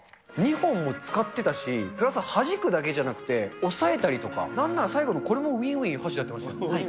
２本も使ってたし、プラスはじくだけじゃなくて、押さえたりとか、なんなら最後、これもウィンウィン箸でやってましたよね。